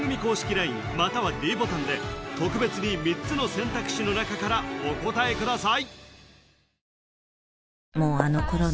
ＬＩＮＥまたはｄボタンで特別に３つの選択肢の中からお答えください